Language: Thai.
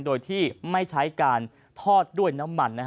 โดยที่ไม่ใช้การทอดด้วยน้ำมัน